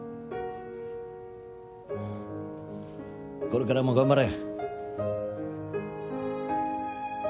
これからも頑張れ。